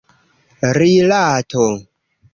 rilato